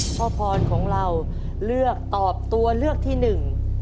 พ่อพรของเราเลือกตอบตัวเลือกที่หนึ่ง